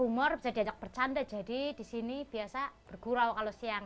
umur bisa diajak bercanda jadi di sini biasa bergurau kalau siang